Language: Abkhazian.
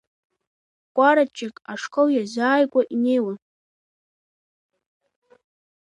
Кәараҷҷак ашкол иазааигәа инеиуан.